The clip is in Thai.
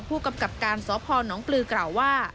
ผู้กำกับการสพนปลือกล่าวว่า